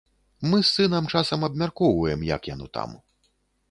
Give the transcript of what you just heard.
Мы з сынам часам абмяркоўваем, як яно там.